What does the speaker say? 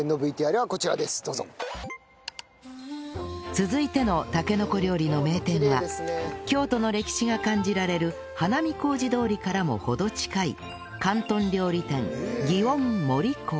続いてのたけのこ料理の名店は京都の歴史が感じられる花見小路通からも程近い広東料理店ぎをん森幸